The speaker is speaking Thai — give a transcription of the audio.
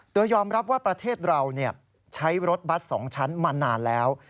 โดยยอมรับว่าประเทศเราใช้รถบัตร๒ชั้นมานานแล้ว